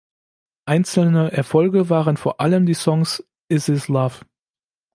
Einzelne Erfolge waren vor allem die Songs "Is This Love?